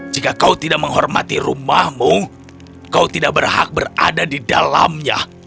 jika kau tidak menghormati rumahmu kau tidak berhak berada di dalamnya